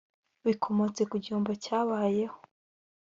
bikomotse ku gihombo cyabayeho